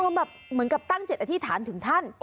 แบบเหมือนกับตั้งจิตอธิษฐานถึงท่าน